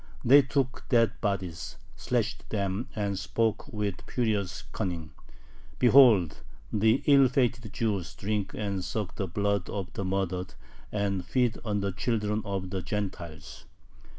They took dead bodies, slashed them, and spoke with furious cunning: Behold, the ill fated Jews drink and suck the blood of the murdered, and feed on the children of the Gentiles.